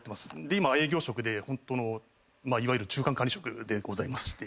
今営業職でホントのいわゆる中間管理職でございまして。